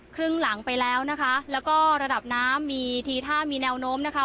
ครึ่งหลังไปแล้วนะคะแล้วก็ระดับน้ำมีทีท่ามีแนวโน้มนะคะ